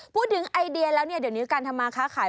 พูดถึงไอเดียแล้วเดี๋ยวนี้การทำมาข้าวขาย